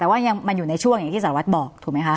แต่ว่ามันอยู่ในช่วงที่สาวว่าบอกถูกไหมครับ